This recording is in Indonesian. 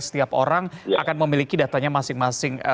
setiap orang akan memiliki datanya masing masing